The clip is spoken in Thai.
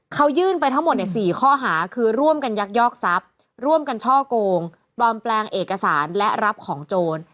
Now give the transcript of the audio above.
เขายื่นไปทั้งหมด๔ข้อหาคือร่วมกันยักยอกทรัพย์ร่วมกันช่อโกงปลอมแปลงเอกสารและรับของโจร